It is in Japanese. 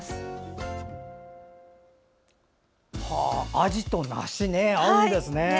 あじと梨、合うんですね。